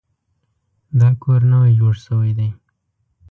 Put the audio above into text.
دا کور نوی جوړ شوی دی